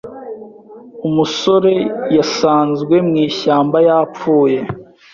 Umusore yasanzwe mu ishyamba yapfuye